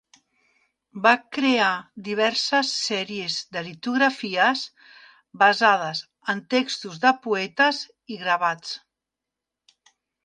Va crear diverses sèries de litografies basades en textos de poetes i gravats.